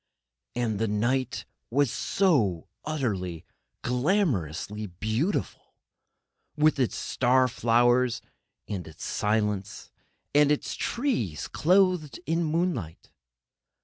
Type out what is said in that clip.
And the night was so beautiful, so utterly, glamourously beautiful, with its star flowers, and its silence, and its trees clothed in moonlight.